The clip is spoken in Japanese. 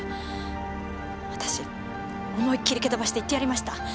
私思いっきり蹴飛ばして言ってやりました。